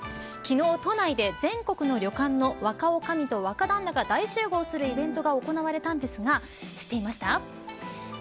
昨日、都内で全国の旅館の若おかみと若旦那が大集合するイベントが行われたんですが知っていました。